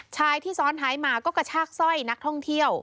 ชายที่ซ้อนท้ายมาก็กระชากสร้อยนักท่องเที่ยว